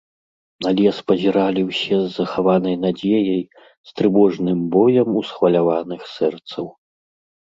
На лес пазіралі ўсе з захаванай надзеяй, з трывожным боем усхваляваных сэрцаў.